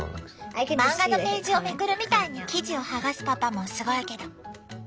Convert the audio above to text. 漫画のページをめくるみたいに生地を剥がすパパもすごいけど。